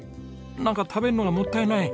なんか食べるのがもったいない。